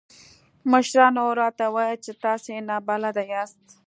مشرانو راته وويل چې تاسې نابلده ياست.